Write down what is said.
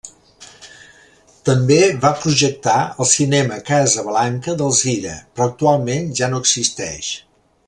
També va projectar el Cinema Casablanca d'Alzira, però actualment ja no existeix.